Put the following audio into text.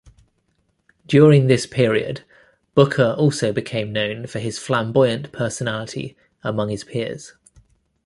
During this period, Booker also became known for his flamboyant personality among his peers.